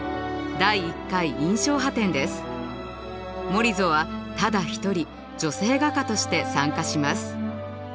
モリゾはただ一人女性画家として参加します。